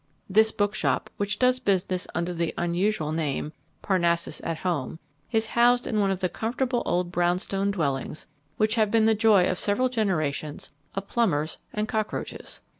This bookshop, which does business under the unusual name "Parnassus at Home," is housed in one of the comfortable old brown stone dwellings which have been the joy of several generations of plumbers and cockroaches.